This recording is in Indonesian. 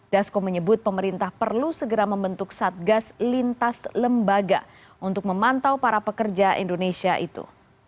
dasko menyebut pemerintah perlu segera membentuk satgas lintas lembaga untuk memantau para pekerja indonesia itu